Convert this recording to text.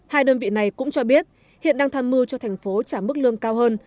hai đơn vị này cũng cho biết hiện đang tham mưu cho thành phố trả mức lương cao hơn